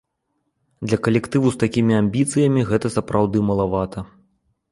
Для калектыву з такімі амбіцыямі гэта сапраўды малавата.